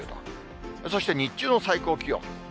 そして日中の最高気温。